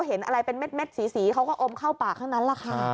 เห็นอะไรเป็นเม็ดสีเขาก็อมเข้าปากทั้งนั้นแหละค่ะ